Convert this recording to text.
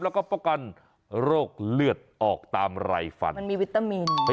แล้วก็ป้องกันโรคเลือดออกตามไรฟันมันมีวิตามิน